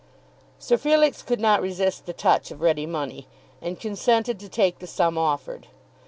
Sir Felix could not resist the touch of ready money, and consented to take the sum offered.